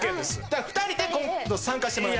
２人で今度参加してもらいます。